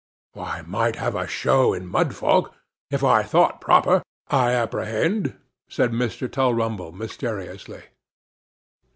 'I might have a show in Mudfog, if I thought proper, I apprehend,' said Mr. Tulrumble mysteriously.